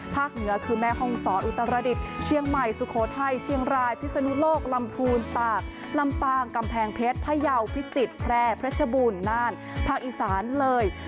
เหนือคือแม่ห้องศรอุตรดิษฐ์เชียงใหม่สุโขทัยเชียงรายพิศนุโลกลำพูนตากลำปางกำแพงเพชรพยาวพิจิตรแพร่เพชรบูรณน่านภาคอีสานเลย